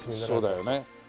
そうだよね。